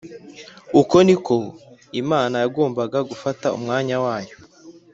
. Uku niko Imana yagombaga gufata umwana wayo?